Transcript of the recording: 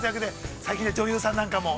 最近は女優さんなんかも。